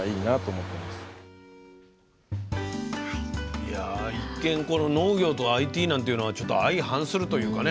いや一見この農業とＩＴなんていうのはちょっと相反するというかね